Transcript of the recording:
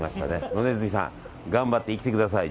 野ネズミさん頑張って生きてください。